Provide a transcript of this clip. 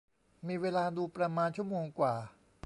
มีเวลาดูประมาณชั่วโมงกว่า